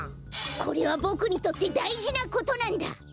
これはボクにとってだいじなことなんだ！